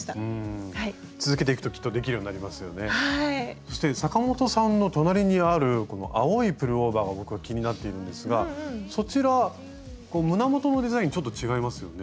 そして阪本さんの隣にあるこの青いプルオーバーが僕は気になっているんですがそちら胸元のデザインちょっと違いますよね？